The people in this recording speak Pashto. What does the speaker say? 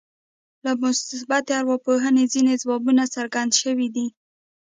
له مثبتې ارواپوهنې ځينې ځوابونه څرګند شوي دي.